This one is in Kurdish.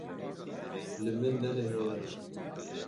Li min nenihêre!